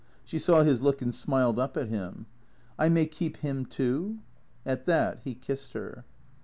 She saw his look and smiled up at him. " I may keep him, too ?" At that he kissed her.